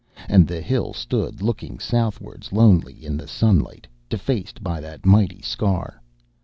And the hill stood looking southwards lonely in the sunlight, defaced by that mighty scar.